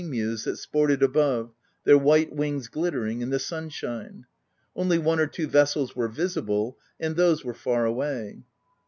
127 sea mews that sported above, their white wings glittering in the sunshine : only one or two vessels were visible ; and those were far away.